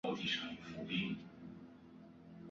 丰托拉沙维耶是巴西南大河州的一个市镇。